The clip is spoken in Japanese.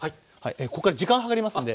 こっから時間計りますんで。